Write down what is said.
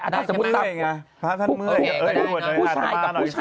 ถ้าสมมติว่าผู้ชายกับผู้ชาย